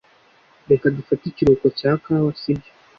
Reka dufate ikiruhuko cya kawa, sibyo?